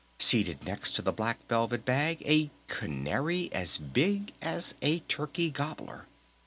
Seated next to the Black Velvet Bag a Canary as big as a Turkey Gobbler!...